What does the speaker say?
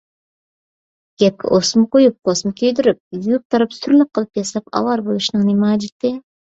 گەپكە ئوسما قويۇپ، پوسما كىيدۈرۈپ، يۇيۇپ - تاراپ، سۈرلۈك قىلىپ ياساپ ئاۋارە بولۇشنىڭ نېمە ھاجىتى؟